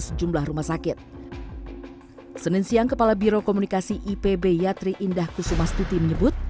sejumlah rumah sakit senin siang kepala biro komunikasi ipb yatri indah kusumastuti menyebut